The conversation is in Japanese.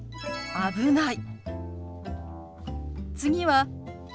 危ない。